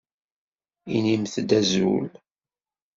Inimt-d azul.